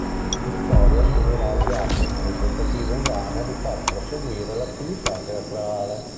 Vittoria si unirà al viaggio, con il tentativo invano di far proseguire l'attività teatrale.